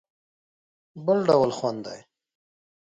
بل ډول خوند دی.